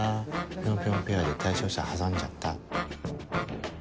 ピョンピョンペアで対象者挟んじゃった。